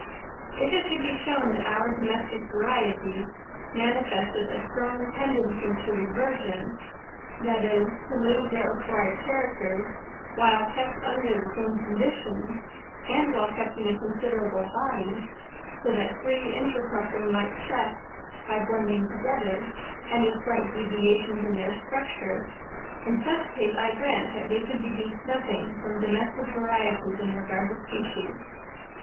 If it could be shown that our domestic varieties manifested a strong tendency to reversion—that is, to lose their acquired characters, while kept under the same conditions and while kept in a considerable body, so that free intercrossing might check, by blending together, any slight deviations in their structure, in such case, I grant that we could deduce nothing from domestic varieties in regard to species.